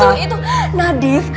itu itu itu nadif